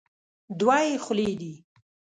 دوه یې خولې دي.